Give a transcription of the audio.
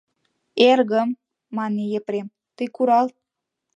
— Эргым, — мане Епрем, — тый курал.